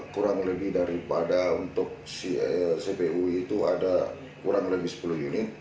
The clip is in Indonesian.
kurang lebih daripada untuk cpu itu ada kurang lebih sepuluh unit